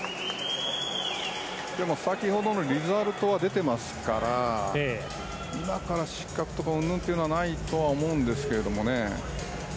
でも、先ほどのリザルトは出てますから今から失格とかうんぬんとかはないとは思うんですけどもね。